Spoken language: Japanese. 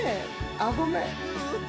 あ、ごめん。